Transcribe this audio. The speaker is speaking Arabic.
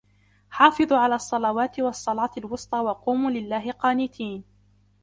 حَافِظُوا عَلَى الصَّلَوَاتِ وَالصَّلَاةِ الْوُسْطَى وَقُومُوا لِلَّهِ قَانِتِينَ